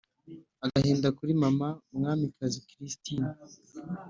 agahinda kuri mama mwamikazi christina!